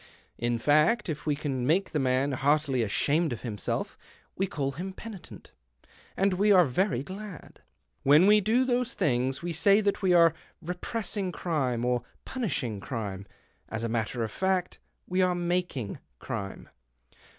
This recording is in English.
In fact, if we can make the man heartily ashamed of himself, we call him penitent, and we are very glad. When we do these things we say that we are repress ing crime or punishing crime — as a matter of fact, we are making crime.